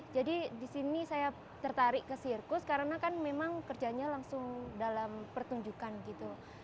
jadi di sini saya tertarik ke sirkus karena kan memang kerjanya langsung dalam pertunjukan gitu